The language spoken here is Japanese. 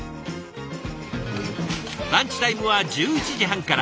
ランチタイムは１１時半から。